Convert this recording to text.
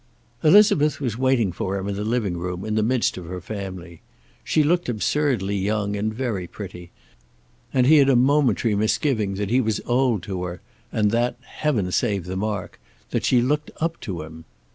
Elizabeth was waiting for him in the living room, in the midst of her family. She looked absurdly young and very pretty, and he had a momentary misgiving that he was old to her, and that Heaven save the mark! that she looked up to him.